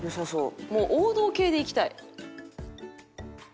王道系でいきたい。